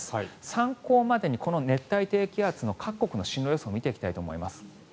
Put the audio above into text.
参考までに、この熱帯低気圧の各国の進路予想を見ていきたいと思います。